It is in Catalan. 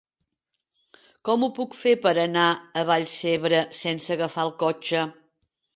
Com ho puc fer per anar a Vallcebre sense agafar el cotxe?